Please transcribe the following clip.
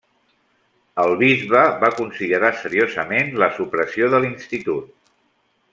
El bisbe va considerar seriosament la supressió de l'institut.